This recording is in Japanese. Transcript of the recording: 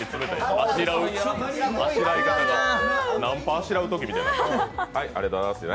あしらうときが南波あしらうときみたいな。